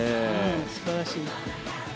素晴らしい。